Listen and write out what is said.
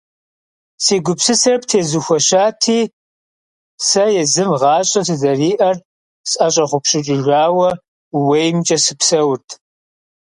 Си гупсысэр птезухуэщати, сэ езым гъащӀэ сызэриӀэр сӀэщӀэгъупщыкӀыжауэ, ууеймкӀэ сыпсэурт.